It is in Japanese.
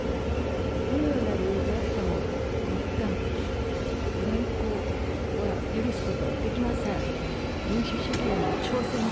どのような理由であっても、こういった蛮行は許すことはできません。